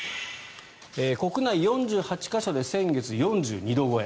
国内４８か所で先月、４２度超え。